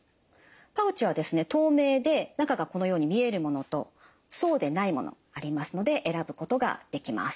パウチは透明で中がこのように見えるものとそうでないものありますので選ぶことができます。